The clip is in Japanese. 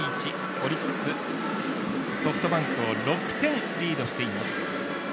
オリックス、ソフトバンクを６点リードしています。